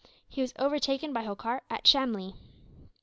He was overtaken by Holkar at Shamlee.